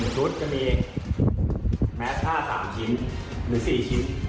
ชุดจะมีแมสผ้า๓ชิ้นหรือ๔ชิ้น